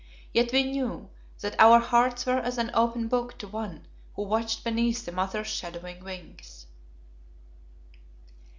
Yet we knew that our hearts were as an open book to One who watched beneath the Mother's shadowing wings.